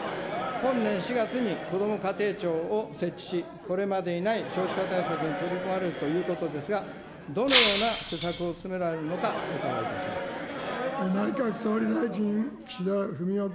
本年４月にこども家庭庁を設置し、これまでにない少子化対策に取り組まれるということですが、どのような施策を進められるのか、お内閣総理大臣、岸田文雄君。